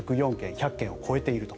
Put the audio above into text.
１００件を超えていると。